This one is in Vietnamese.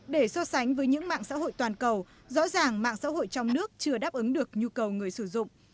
để so sánh với những mạng xã hội toàn cầu rõ ràng mạng xã hội trong nước chưa đáp ứng được nhu cầu người sử dụng